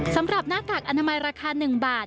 หน้ากากอนามัยราคา๑บาท